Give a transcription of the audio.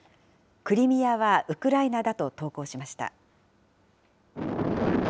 クリミアはウクライナだと投稿しました。